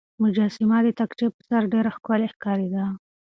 مجسمه د تاقچې په سر ډېره ښکلې ښکارېده.